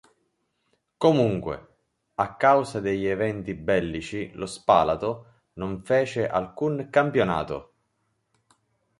Comunque, a causa degli eventi bellici lo Spalato non fece alcun campionato.